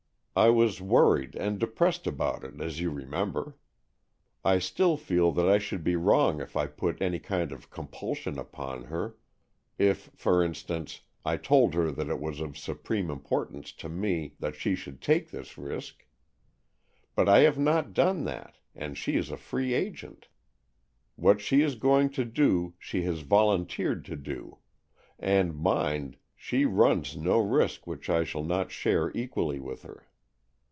I was worried and depressed about 76 AN EXCHANGE OF SOULS it, as you remember. I still feel that I should be wrong if I put any kind of com pulsion upon her — if, for instance, I told her that it was of supreme importance to me that she should take this risk. But I have not done that, and she is a free agent. What she is going to do, she has volunteered to do. And, mind, she runs no risk which I shall not share equally with her.